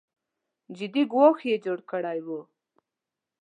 جدي ګواښ جوړ کړی و